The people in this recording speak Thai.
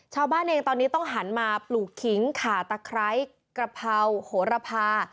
ชาวบ้านเองตอนนี้ต้องหันมาปลูกขิงขาตะไคร้กระเพราโหระพา